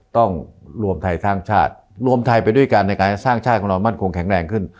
ต้องรวมไทยสร้างชาติรวมไทยไปด้วยกันในการสร้างชาติของเรามั่นคงแข็งแรงขึ้น